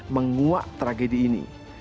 menguak tragedi ini